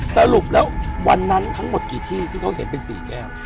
สรุปแล้ววันนั้นทั้งหมดกี่ที่ที่เขาเห็นเป็น๔แก้ว